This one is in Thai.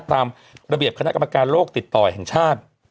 ตามระเบียบคณะกรรมการโลกติดต่อแห่งชาติ